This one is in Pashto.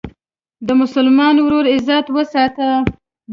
د مسلمان ورور عزت وساته.